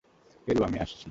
Peru, আমি আসছি!